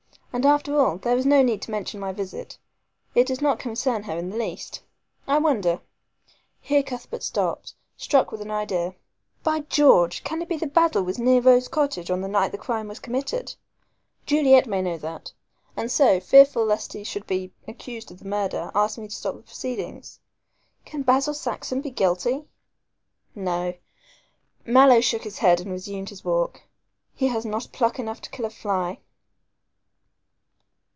And after all, there is no need to mention my visit. It does not concern her in the least. I wonder," here Cuthbert stopped, struck with an idea. "By George! can it be that Basil was near Rose Cottage on the night the crime was committed? Juliet may know that, and so, fearful lest he should be accused of the murder, asked me to stop proceedings. Can Basil Saxon be guilty? No," Mallow shook his head and resumed his walk, "he has not pluck enough to kill a fly."